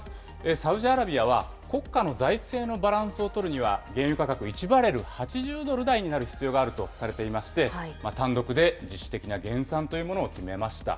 サウジアラビアは国家の財政のバランスを取るには、原油価格１バレル８０ドル台になる必要があるとされていまして、単独で自主的な減産というものを決めました。